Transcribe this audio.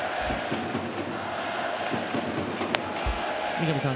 三上さん